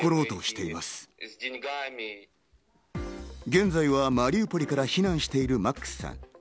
現在はマリウポリから避難しているマックスさん。